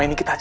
aura itu ma